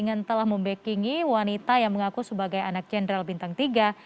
yang telah membackingi wanita yang mengaku sebagai anak jenderal bintang tiga